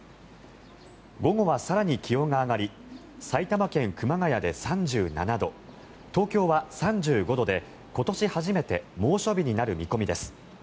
午後は更に気温が上がり埼玉県熊谷で３７度東京は３５度で、今年初めて猛暑日になる見込みです。